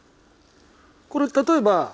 これ例えば。